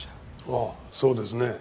ああそうですね。